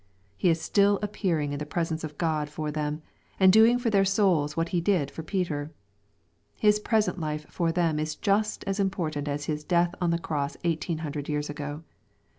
He is still appearing in the presence of God for them, and doing for their souls what He did for Peter. His present life for them is just as important as His death on the cross eighteen hundred years ago.